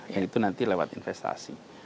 yang itu nanti lewat investasi